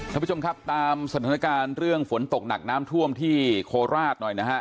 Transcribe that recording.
ท่านผู้ชมครับตามสถานการณ์เรื่องฝนตกหนักน้ำท่วมที่โคราชหน่อยนะฮะ